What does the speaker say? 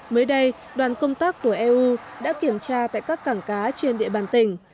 mới đây đoàn công tác của eu đã kiểm tra tại các cảng cá trên địa bàn tỉnh